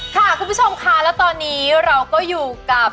คุณผู้ชมค่ะแล้วตอนนี้เราก็อยู่กับ